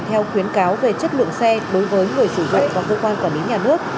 có khuyến cáo về chất lượng xe đối với người sử dụng và cơ quan quản lý nhà nước